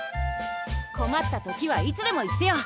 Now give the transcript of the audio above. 困った時はいつでも言ってよ。